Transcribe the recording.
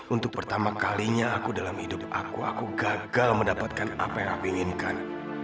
untuk pertama kalinya aku dalam hidup aku aku gagal mendapatkan apa yang aku inginkan